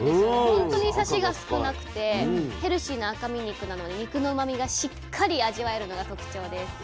本当にサシが少なくてヘルシーな赤身肉なので肉のうまみがしっかり味わえるのが特徴です。